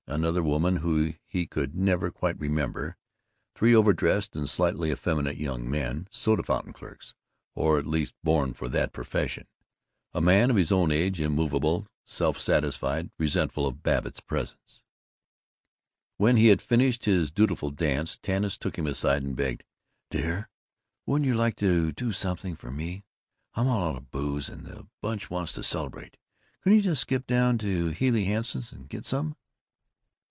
Another woman whom he could never quite remember. Three overdressed and slightly effeminate young men soda fountain clerks, or at least born for that profession. A man of his own age, immovable, self satisfied, resentful of Babbitt's presence. When he had finished his dutiful dance Tanis took him aside and begged, "Dear, wouldn't you like to do something for me? I'm all out of booze, and the Bunch want to celebrate. Couldn't you just skip down to Healey Hanson's and get some?"